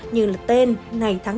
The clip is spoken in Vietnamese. như là tên ngày tháng